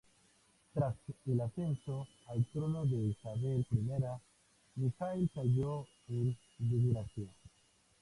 Tras el ascenso al trono de Isabel I, Mijaíl cayó en desgracia.